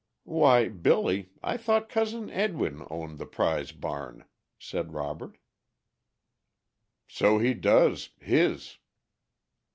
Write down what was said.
"Why, Billy, I thought Cousin Edwin owned the 'prize' barn!" said Robert. "So he does his."